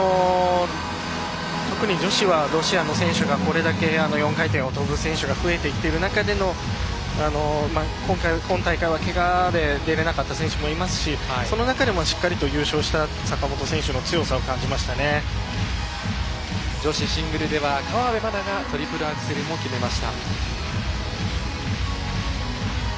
特に女子はロシアの選手がこれだけ４回転を跳ぶ選手が増えてきている中での今大会はけがで出れなかった選手もいますしその中でもしっかりと優勝した坂本選手の女子シングルでは河辺愛菜がトリプルアクセルも決めました。